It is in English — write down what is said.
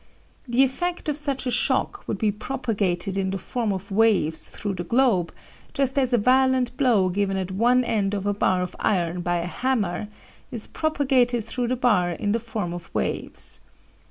The effect of such a shock would be propagated in the form of waves through the globe, just as a violent blow given at one end of a bar of iron by a hammer is propagated through the bar in the form of waves.